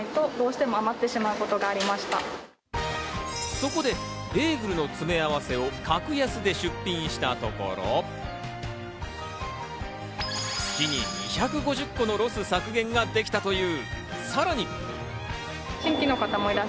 そこでベーグルの詰め合わせを格安で出品したところ、月に２５０個のロス削減ができたという。